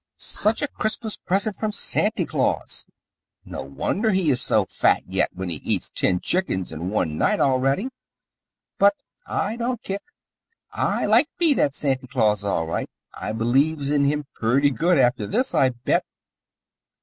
"Such a Christmas present from Santy Claus! No wonder he is so fat yet when he eats ten chickens in one night already. But I don't kick. I like me that Santy Claus all right. I believes in him purty good after this, I bet!"